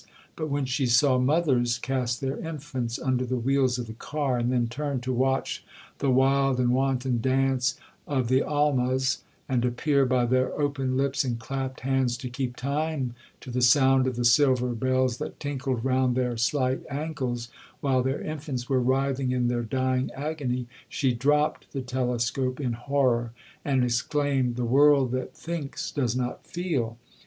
But when she saw mothers cast their infants under the wheels of the car, and then turn to watch the wild and wanton dance of the Almahs, and appear, by their open lips and clapped hands, to keep time to the sound of the silver bells that tinkled round their slight ankles, while their infants were writhing in their dying agony,—she dropt the telescope in horror, and exclaimed, 'The world that thinks does not feel.